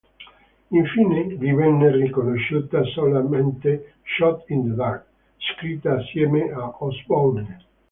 Infine, gli venne riconosciuta solamente "Shot in the Dark", scritta assieme a Osbourne.